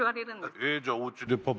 えじゃあおうちでパパ